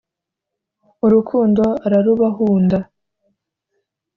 urukundo ararubahunda